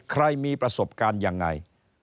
ใครมีประสบการณ์ยังไง